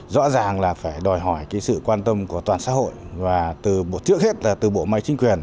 rõ ràng là phải đòi hỏi cái sự quan tâm của toàn xã hội và trước hết là từ bộ máy chính quyền